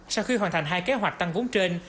sau khi hoàn thành hai kế hoạch tăng vốn trên